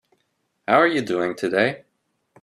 How are you doing today?